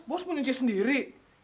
bos mau nyuci sendiri